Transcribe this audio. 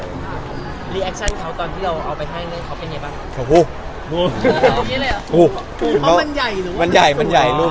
รีแอคชันเขาตอนที่เราเอาไปให้เขาเป็นยังไงบ้าง